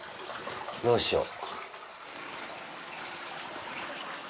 どうしよう。